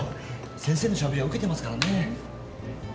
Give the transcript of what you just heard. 先生のしゃべりは受けてますからね。